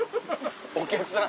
お客さん。